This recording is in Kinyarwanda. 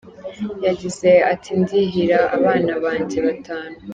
Yagize ati “Ndihira abana banjye batanu.